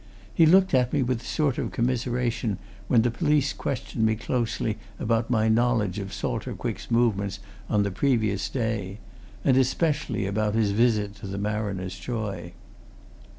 He looked at me with a sort of commiseration when the police questioned me closely about my knowledge of Salter Quick's movements on the previous day, and especially about his visit to the Mariner's Joy.